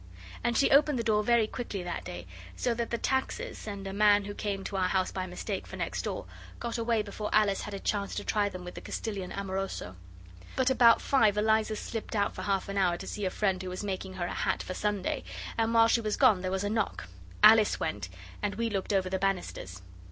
And she opened the door very quickly that day, so that the Taxes and a man who came to our house by mistake for next door got away before Alice had a chance to try them with the Castilian Amoroso. But about five Eliza slipped out for half an hour to see a friend who was making her a hat for Sunday, and while she was gone there was a knock. Alice went, and we looked over the banisters.